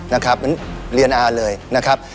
มันเรียนอ่าเลยนะครับ